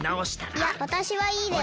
いやわたしはいいです。